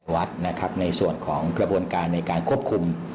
วัดนะครับในส่วนของกระบวนการในการควบคุม